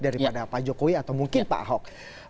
daripada pak jokowi atau mungkin pak ahok